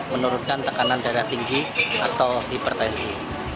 menurunkan tekanan darah tinggi atau hipertensi